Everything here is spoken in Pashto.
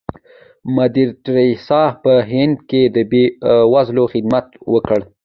مدر ټریسا په هند کې د بې وزلو خدمت وکړ.